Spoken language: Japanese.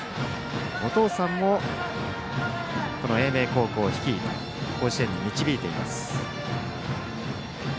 お父さんも英明高校を率いて甲子園に導いています。